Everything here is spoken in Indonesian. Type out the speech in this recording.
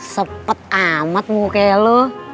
sepet amat mungu kayak lo